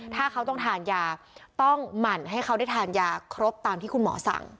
ถ้าเขาต้องทานยาต้องหมั่นให้เขาได้ทานยาครบตามที่คุณหมอสั่ง